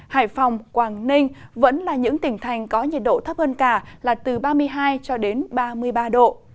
hải phòng quảng ninh vẫn là những tỉnh thành có nhiệt độ thấp hơn cả là từ ba mươi hai cho đến ba mươi ba độ